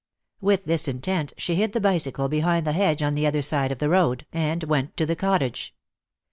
With this intent she hid the bicycle behind the hedge on the other side of the road, and went to the cottage.